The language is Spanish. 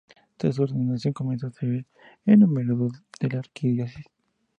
Tras su ordenación comenzó a servir en numerosas de la Arquidiócesis.